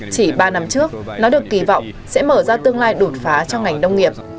chỉ ba năm trước nó được kỳ vọng sẽ mở ra tương lai đột phá cho ngành nông nghiệp